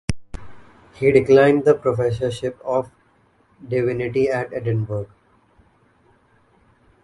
He declined the Professorship of Divinity at Edinburgh.